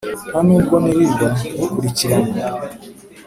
nta n'ubwo nirirwa ngukurikirana,